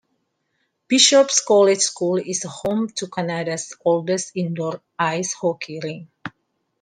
Bishop's College School is home to Canada's oldest indoor ice hockey rink.